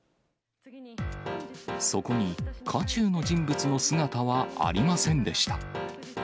そこに渦中の人物の姿はありませんでした。